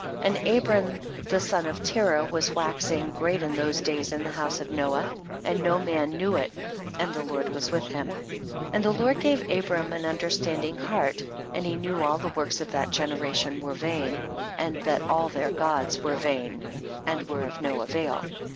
11. And Abram the son of Terah was waxing *great in those days in the house of Noah, and no man knew it, and the Lord was with him, 12. And the Lord gave Abram an understanding heart, and he knew all the works of that generation were vain, and that all their gods were vain and were of no avail.